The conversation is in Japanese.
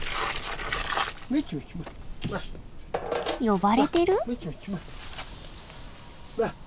呼ばれてる？